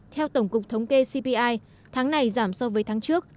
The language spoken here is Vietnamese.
theo tổng cục thống kê cpi tháng này giảm so với tháng trước